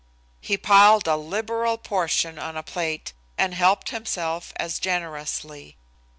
He piled a liberal portion on any plate and helped himself as generously.